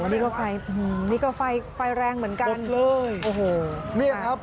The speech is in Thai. อันนี้ก็ไฟแรงเหมือนกัน